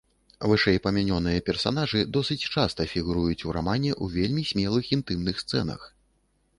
Вышэйпамянёныя персанажы досыць часта фігуруюць ў рамане ў вельмі смелых інтымных сцэнах.